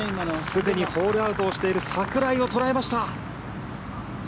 すでにホールアウトをしている櫻井を捉えました。